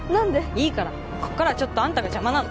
いいからこっからはちょっとあんたが邪魔なの